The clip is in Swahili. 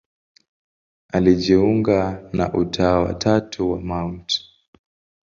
Alijiunga na Utawa wa Tatu wa Mt.